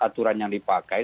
aturan yang dipakai